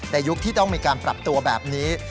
ยุคที่ต้องมีการปรับตัวแบบนี้